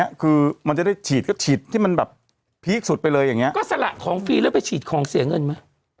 อุ๋ยคำสวัสดีครับสวัสดีค่ะสวัสดีค่ะพี่หนุ่มสวัสดีค่ะ